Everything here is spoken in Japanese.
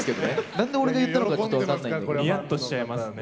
何で俺が言ったのかちょっと分かんないですけど。